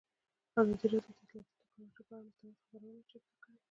ازادي راډیو د اطلاعاتی تکنالوژي پر اړه مستند خپرونه چمتو کړې.